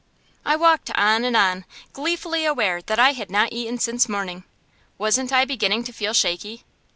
I walked on and on, gleefully aware that I had not eaten since morning. Wasn't I beginning to feel shaky?